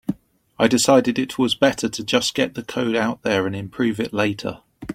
I decided it was better to just get the code out there and improve it later.